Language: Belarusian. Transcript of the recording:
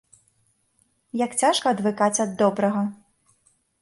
Як цяжка адвыкаць ад добрага!